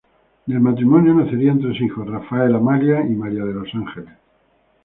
Del matrimonio nacerían tres hijos: Rafael, Amalia y María de los Ángeles.